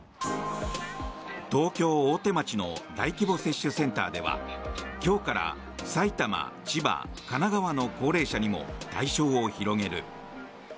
東京・大手町の大規模接種センターでは今日から埼玉、千葉、神奈川の高齢者にも対象を広げる。